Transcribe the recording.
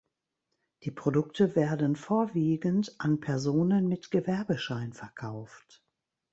Die Produkte werden vorwiegend an Personen mit Gewerbeschein verkauft.